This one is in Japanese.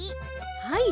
はい。